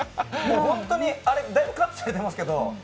本当にあれ、だいぶカットされていますけど。